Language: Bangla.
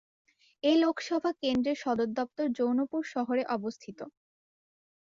এই লোকসভা কেন্দ্রের সদর দফতর জৌনপুর শহরে অবস্থিত।